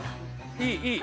いいいい。